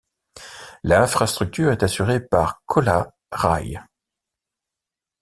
L'infrastructure est assurée par Colas rail.